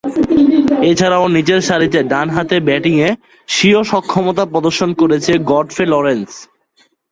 এছাড়াও, নিচেরসারিতে ডানহাতে ব্যাটিংয়ে স্বীয় সক্ষমতা প্রদর্শন করেছেন গডফ্রে লরেন্স।